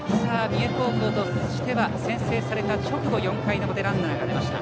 三重高校としては先制された直後４回の表、ランナーが出ました。